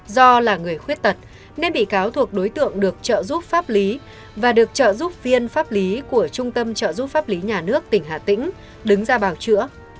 do là người khuyết tật nên bị cáo thuộc đối tượng được trợ giúp pháp lý và được trợ giúp viên pháp lý của trung tâm trợ giúp pháp lý nhà nước tỉnh hà tĩnh đứng ra bảo chữa